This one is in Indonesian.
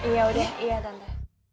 iya udah iya tante